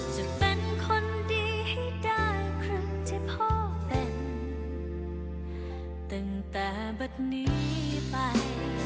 จะเป็นคนดีให้ได้ครั้งที่พ่อเป็นตั้งแต่บัตรนี้ไป